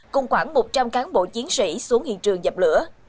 cùng khoảng một trăm linh cán bộ chiến sĩ xuống hiện trường dập lửa